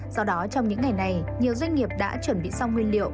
do đó trong những ngày này nhiều doanh nghiệp đã chuẩn bị xong nguyên liệu